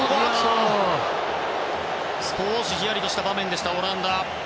少しひやりとした場面でした、オランダ。